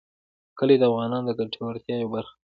کلي د افغانانو د ګټورتیا یوه برخه ده.